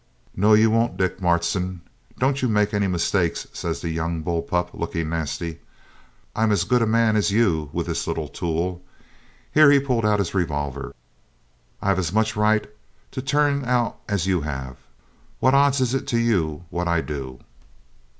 'No, you won't, Dick Marston, don't you make any mistake,' says the young bull pup, looking nasty. 'I'm as good a man as you, with this little tool.' Here he pulled out his revolver. 'I've as much right to turn out as you have. What odds is it to you what I do?'